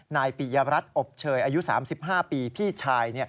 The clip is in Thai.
ปิยรัฐอบเชยอายุ๓๕ปีพี่ชาย